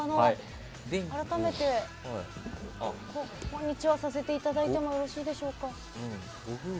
改めて、こんにちはをさせていただいてもよろしいでしょうか。